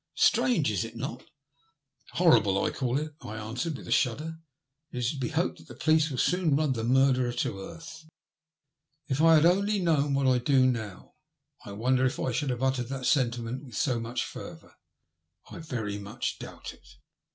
Strange, is it not ?"" Horrible, I call it," I answered with a shudder. ''It is to be hoped the police will soon run the murderer to earth." If I had only known what I do now I wonder if I should have uttered that sentiment with so much fervour ? I very much doubt it.